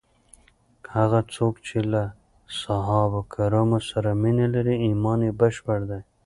هغه څوک چې له صحابه کرامو سره مینه لري، ایمان یې بشپړ دی.